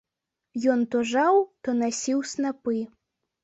Ён то жаў, то насіў снапы.